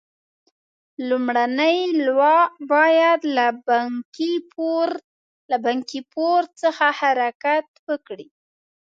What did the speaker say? لومړنۍ لواء باید له بنکي پور څخه حرکت وکړي.